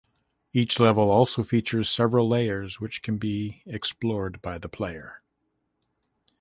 Each level also features several layers which can be explored by the player.